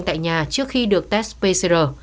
tại nhà trước khi được test pcr